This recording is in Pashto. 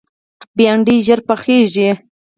بېنډۍ ژر پخېږي